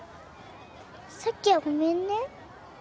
さっきはごめんね。